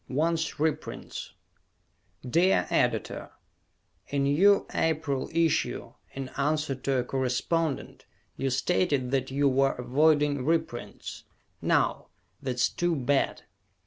_ Wants Reprints Dear Editor: In you April issue, in answer to a correspondent, you stated that you were avoiding reprints. Now, that's too bad.